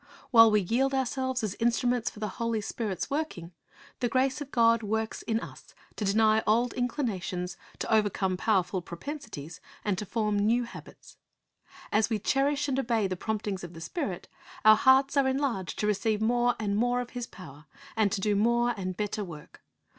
While we yield ourselves as instruments for the Holy Spirit's working, the grace of God works in us to deny old inclinations, to over come powerful propensities, and to form new habits. As we cherish and obey the promptings of the Spirit, our hearts are enlarged to receive more and more of His power, and to do more and better work.